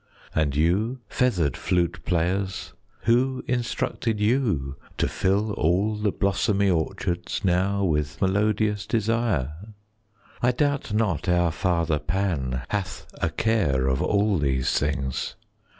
20 And you feathered flute players, Who instructed you to fill All the blossomy orchards now With melodious desire? I doubt not our father Pan 25 Hath a care of all these things.